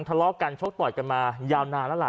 ทะเลาะกันชกต่อยกันมายาวนานแล้วล่ะ